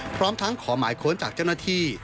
พร้อมทั้งขอหมายค้นจากเจ้าหน้าที่